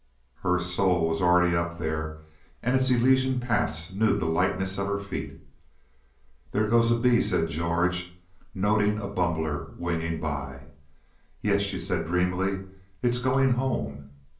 Her soul was already up there, and its elysian paths knew the lightness of her feet. "There goes a bee," said George, noting a bumbler winging by. "Yes," she said, dreamily, "it's going home."